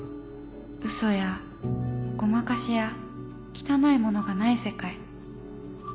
うそやごまかしや汚いものがない世界。